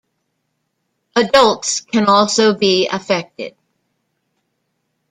Adults can also be affected.